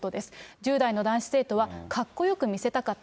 １０代の男子生徒は、かっこよく見せたかった。